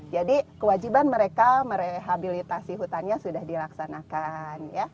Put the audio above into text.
jadi kewajiban mereka merehabilitasi hutannya sudah dilaksanakan